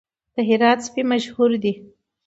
د هرات سپي مشهور دي